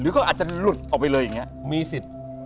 หรือเขาอาจจะหลุดออกไปเลยอย่างนี้